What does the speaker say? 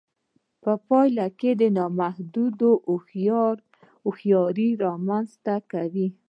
په پايله کې نامحدوده هوښياري رامنځته کوي.